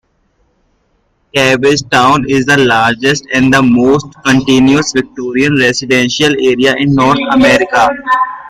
Cabbagetown is the largest and most continuous Victorian residential area in North America.